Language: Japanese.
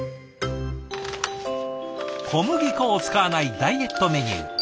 小麦粉を使わないダイエットメニュー。